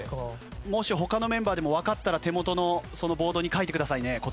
もし他のメンバーでもわかったら手元のそのボードに書いてくださいね答えを。